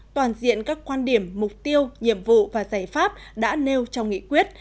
toàn diện các quan điểm mục tiêu nhiệm vụ và giải pháp đã nêu trong nghị quyết